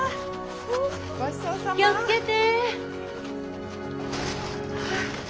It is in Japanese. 気を付けて。